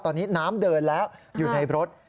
ตอนนี้น้ำเดินแล้วอยู่ในรถ